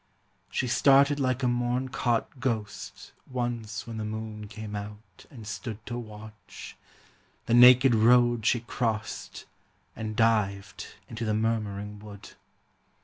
She started like a morn caught ghost Once when the moon came out and stood To watch; the naked road she crossed, And dived into the murmuring wood.